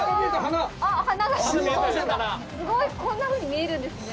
すごいこんなふうに見えるんですね。